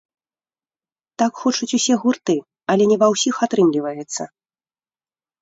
Так хочуць усе гурты, але не ва ўсіх атрымліваецца.